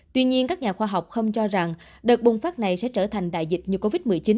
tuy nhiên các nhà khoa học không cho rằng đợt bùng phát này sẽ trở thành đại dịch như covid một mươi chín